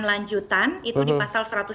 lanjutan itu di pasal satu ratus tujuh puluh